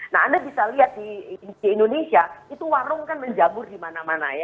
nah anda bisa lihat di indonesia itu warung kan menjamur di mana mana ya